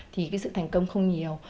thì cái sự thành công không nhiều